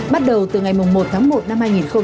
bắt đầu từ ngày một tháng một năm hai nghìn hai mươi